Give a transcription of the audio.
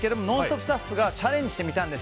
スタッフがチャレンジしてみたんです。